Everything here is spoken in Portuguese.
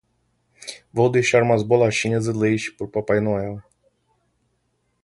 Vou deixar umas bolachinhas e leite para o Pai Natal.